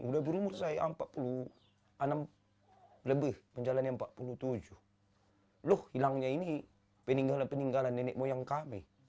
loh hilangnya ini peninggalan nenek moyang kami